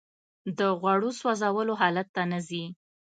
د غوړو سوځولو حالت ته نه ځي